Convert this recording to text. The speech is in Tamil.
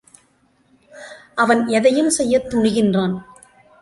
அவன் எதையும் செய்யத் துணிகின்றான்.